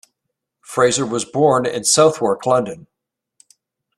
Fraser was born in Southwark, London.